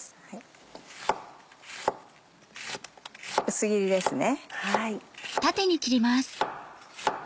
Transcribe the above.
薄切りですね。